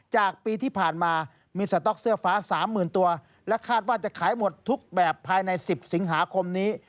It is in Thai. จากปีที่ผ่านมามีสต๊อกเสื้อฟ้า๓๐๐๐ตัวและคาดว่าจะขายหมดทุกแบบภายใน๑๐สิงหาคมนี้